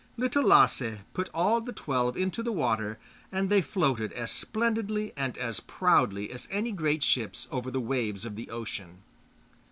Little Lasse put all the twelve into the water, and they floated as splendidly and as proudly as any great ships over the waves of the ocean.